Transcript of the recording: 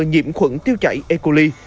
nhiễm khuẩn tiêu chảy e coli